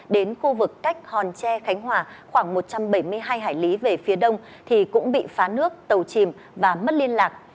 đến khu vực cách hòn tre khánh hòa khoảng một trăm bảy mươi hai hải lý về phía đông thì cũng bị phá nước tàu chìm và mất liên lạc